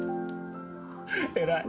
偉い。